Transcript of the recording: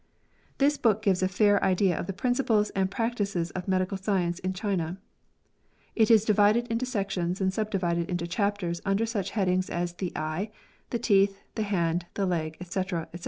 This book gives a fair idea of the principles and practice of medical science in China. It is divided into sections and subdivided into chapters under such headings as the eye, the teeth, the hand, the leg, Sec, &c.